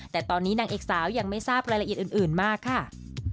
แต่ตอนนี้นางเอกสาวยังไม่ทราบรายละเอียดอื่นมากค่ะ